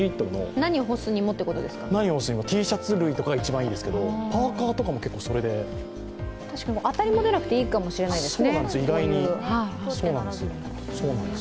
何を干すにも、Ｔシャツ類は一番いいですけど、パーカなどもそれで当たりも出なくていいかもしれないですね。